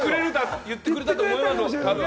言ってくれたと思いますよ、たぶん。